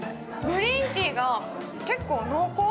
グリーンティーが結構濃厚。